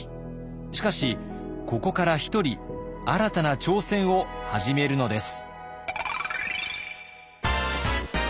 しかしここから一人新たな挑戦を始めるのです。